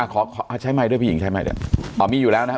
ขอใช้ไมค์ด้วยผู้หญิงใช้ไมค์ด้วยอ๋อมีอยู่แล้วนะครับ